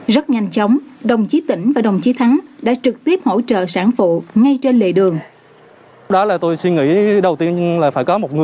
rất nhanh chóng đồng chí tỉnh và đồng chí thắng đã trực tiếp hỗ trợ sản phụ ngay trên lề đường